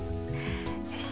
よし。